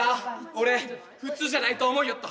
俺普通じゃないと思いよった。